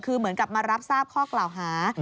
คือเหมือนกับมารับทราบข้อกล่าวหา